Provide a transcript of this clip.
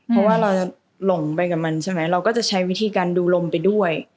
เพราะว่าเราจะหลงไปกับมันใช่ไหมเราก็จะใช้วิธีการดูลมไปด้วย